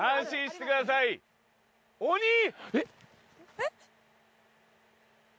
えっ！？